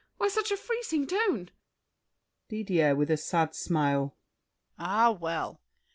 Why such a freezing tone? DIDIER (with a sad smile). Ah, well!